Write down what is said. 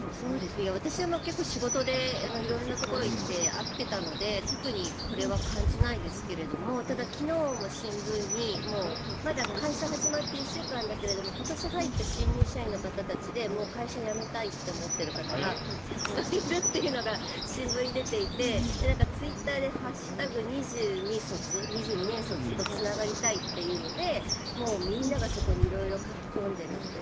私は結構、仕事で色々なところに行って会っていたので特にこれは感じないですけどもただ、昨日も新聞にまだ会社始まって１週間だけども今年、入った新入社員の方たちでもう会社辞めたいって思っている方たちがたくさんいるというのが新聞に出ていてツイッターで「＃２２年卒とつながりたい」というのでみんながそこに色々書き込んでいるって。